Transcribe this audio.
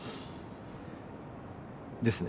ですね。